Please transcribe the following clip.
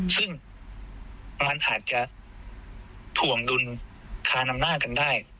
ซึ่งมันอาจจะถ่วงดุลคานอำนาจกันได้